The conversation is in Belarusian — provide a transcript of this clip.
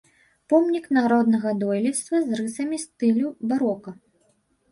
Помнік народнага дойлідства з рысамі стылю барока.